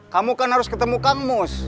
kamu kan harus ketemu kang mus